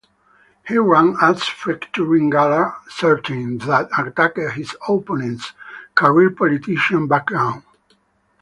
He ran ads featuring Gailard Sartain that attacked his opponents' "career politician" background.